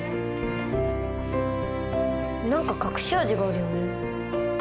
何か隠し味があるよね。